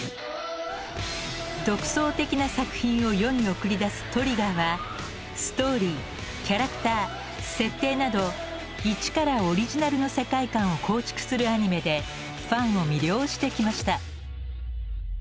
独創的な作品を世に送り出すＴＲＩＧＧＥＲはストーリーキャラクター設定など一からオリジナルの世界観を構築するアニメでファンを魅了してきました。